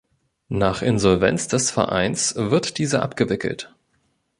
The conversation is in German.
Nach Insolvenz des Vereins wird dieser abgewickelt.